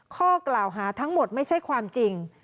ข้อกล่าวหาทั้งหมดไม่ใช่ความจริง